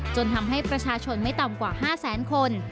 จนทำให้ประชาชนไม่ต่ำกว่า๕แสนคน